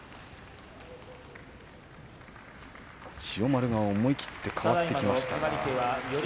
千代丸が思い切って変わってきました。